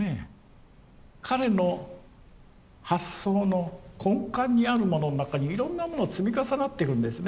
彼の発想の根幹にあるものの中にいろんなもの積み重なっているんですね。